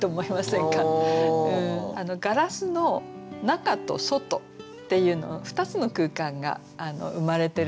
ガラスの中と外っていう２つの空間が生まれてるんですね